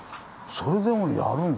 それでもやるんだ？